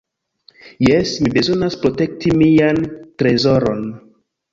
"Jes, mi bezonas protekti mian trezoron."